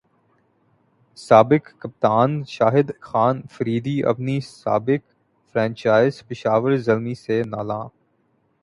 سابق کپتان شاہد خان فریدی اپنی سابق فرنچائز پشاور زلمی سے نالاں